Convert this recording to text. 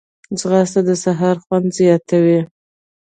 ځغاسته د سهار خوند زیاتوي